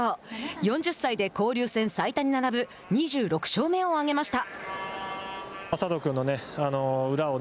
４０歳で交流戦最多に並ぶ２６勝目をあげました。